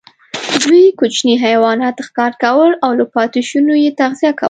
دوی کوچني حیوانات ښکار کول او له پاتېشونو یې تغذیه کوله.